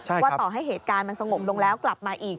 ว่าต่อให้เหตุการณ์มันสงบลงแล้วกลับมาอีก